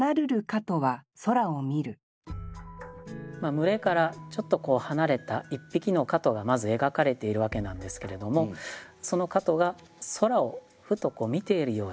群れからちょっと離れた一匹の蝌蚪がまず描かれているわけなんですけれどもその蝌蚪が空をふと見ているようだと。